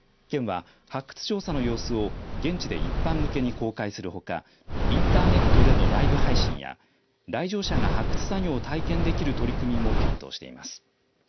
県は、発掘調査の様子を現地で一般向けに公開するほかインターネットでのライブ配信や来場者が発掘作業を体験できる取り組みも検討しています。